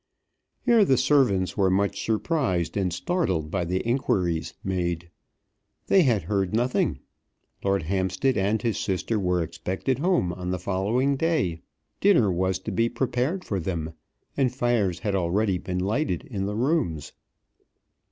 Here the servants were much surprised and startled by the inquiries made. They had heard nothing. Lord Hampstead and his sister were expected home on the following day. Dinner was to be prepared for them, and fires had already been lighted in the rooms.